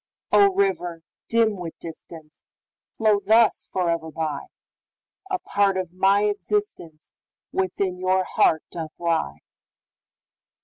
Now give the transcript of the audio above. O, river, dim with distance, Flow thus forever by,A part of my existenceWithin your heart doth lie!